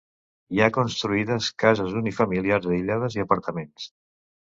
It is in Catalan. Hi ha construïdes cases unifamiliars aïllades i apartaments.